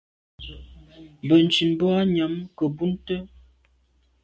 Benntùn boa nyàm nke mbùnte.